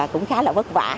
cũng khá là vất vả